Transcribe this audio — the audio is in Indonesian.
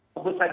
sebut saja itu